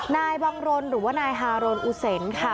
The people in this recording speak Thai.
นายบังรนหรือว่านายฮาโรนอุเซนค่ะ